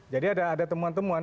jadi ada temuan temuan